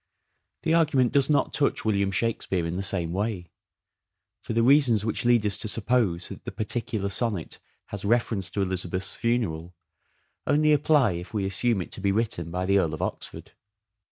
The argument does not touch William Shakspere in the same way ; for the reasons which lead us to suppose that the particular sonnet has reference to Elizabeth's funeral, only apply if we assume it to be written by the Earl of Oxford.